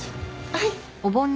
はい。